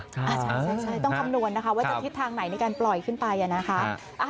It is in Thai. ใช่ต้องคำนวณนะคะว่าจะทิศทางไหนในการปล่อยขึ้นไปนะคะ